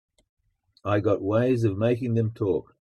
I got ways of making them talk.